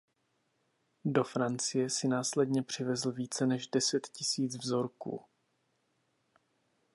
Do Francie si následně přivezl více než deset tisíc vzorků.